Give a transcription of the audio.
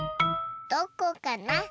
どこかな？